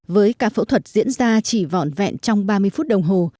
với ca phẫu thuật diễn ra chỉ vọn vẹn trong ba mươi phút đồng hồ